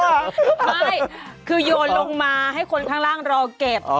ไม่คือโยนลงมาให้คนข้างล่างรอเก็บ